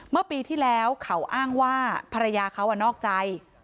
เมื่อปีที่แล้วเขาอ้างว่าภรรยาเขานอกใจ